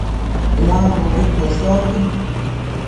Nuambocquid cuesombi